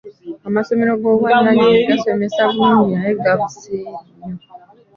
Amasomero g'obwannannyini gasomesa bulungi naye ga buseere nnyo.